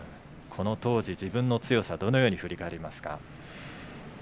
この当時、自分の強さをどのように振り返りますか。